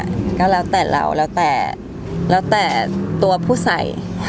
แบบนี้อะแล้วแต่เราแล้วแต่ตัวผู้ใส่